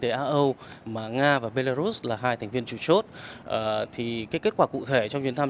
tế á âu mà nga và belarus là hai thành viên chủ chốt thì cái kết quả cụ thể trong chuyến thăm